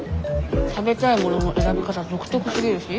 食べたいものの選び方独特すぎるし。